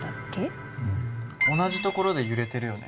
同じ所で揺れてるよね。